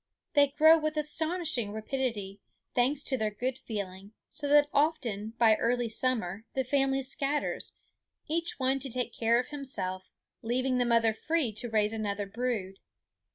They grow with astonishing rapidity, thanks to their good feeding, so that often by early summer the family scatters, each one to take care of himself, leaving the mother free to raise another brood.